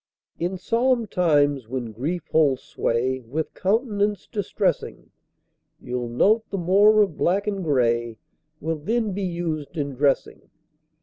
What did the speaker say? In solemn times, when grief holds sway With countenance distressing, You'll note the more of black and gray Will then be used in dressing.